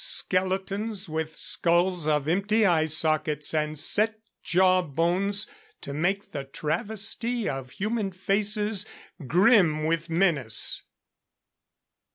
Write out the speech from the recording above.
Skeletons with skulls of empty eye sockets and set jaw bones to make the travesty of human faces grim with menace!